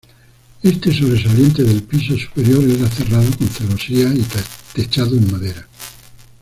Este sobresaliente del piso superior era cerrado con celosías y techado en madera.